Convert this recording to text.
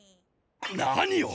何を！